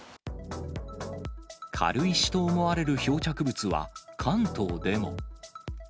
軽石と思われる漂着物は、関東でも。